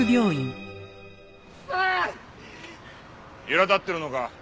いら立ってるのか？